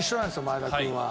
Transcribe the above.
前田君は。